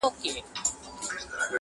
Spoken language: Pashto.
څوک چي د مار بچی په غېږ کي ګرځوینه؛